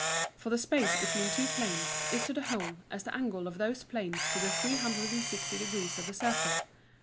For the Space between two Planes, is to the whole, as the Angle of those Planes to the 360 Degrees of the Circle.